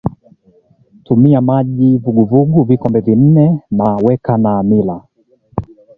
tumia maji ya uvuguvugu vikombe vinne na weka hamira